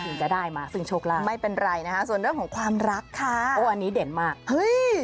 จะได้มาซึ่งโชคลาภไม่เป็นไรนะคะส่วนเรื่องของความรักค่ะโอ้อันนี้เด่นมากเฮ้ย